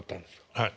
はい。